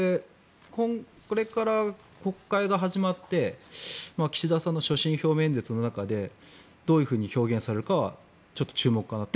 これから国会が始まって岸田さんの所信表明演説の中でどういうふうに表現されるかは注目かなと。